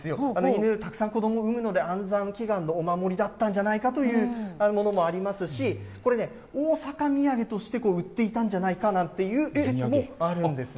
犬、たくさん子ども産むので、安産祈願のお守りだったんじゃないかといったものもありますし、これね、大坂土産として売っていたんじゃないかっていう説もあるんです。